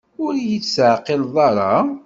Ur yi-d-teɛqileḍ ara?